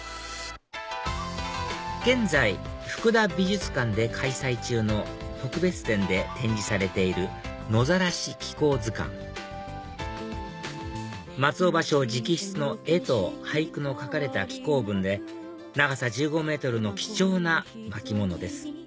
現在福田美術館で開催中の特別展で展示されている『野ざらし紀行図巻』松尾芭蕉直筆の絵と俳句の書かれた紀行文で長さ１５ｍの貴重な巻物です